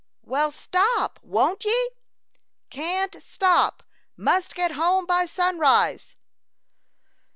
"Well, stop won't ye?" "Can't stop; must get home by sunrise."